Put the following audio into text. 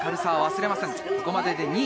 ここまでで２位。